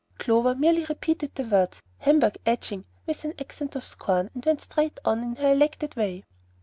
Clover merely repeated the words, "Hamburg edging!" with an accent of scorn, and went straight on in her elected way.